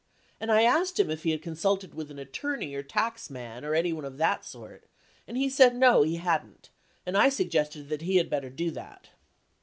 And I asked him if he had consulted with an attorney or tax man or anyone of that sort, and he said no, he hadn't and I suggested that he had better do that.